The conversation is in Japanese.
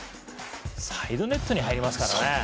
サイドネットに入りますからね。